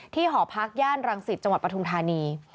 ที่หอพักย่านรังศิษย์จังหวัดปทุงธานี